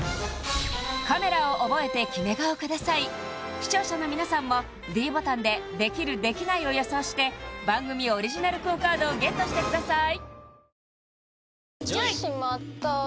視聴者の皆さんもｄボタンでできるできないを予想して番組オリジナルＱＵＯカードをＧＥＴしてください